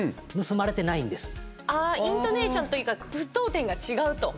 イントネーションというか句読点が違うと。